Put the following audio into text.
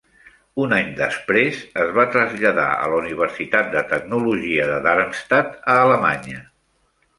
Un any després, es va traslladar a la Universitat de Tecnologia de Darmstadt a Alemanya.